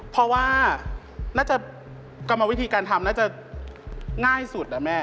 เพราะว่าน่าจะกรรมวิธีการทำน่าจะง่ายสุดนะแม่